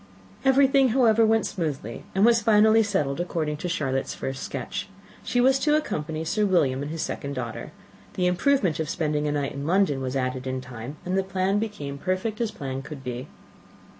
Everything, however, went on smoothly, and was finally settled according to Charlotte's first sketch. She was to accompany Sir William and his second daughter. The improvement of spending a night in London was added in time, and the plan became as perfect as plan could be.